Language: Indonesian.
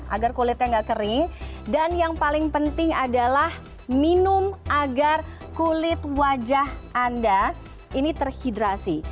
agar kulitnya nggak kering dan yang paling penting adalah minum agar kulit wajah anda ini terhidrasi